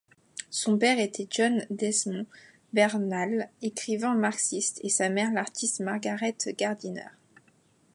Son père était John Desmond Bernal, écrivain marxiste, et sa mère l'artiste Margaret Gardiner.